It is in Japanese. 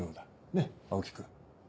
ねっ青木君。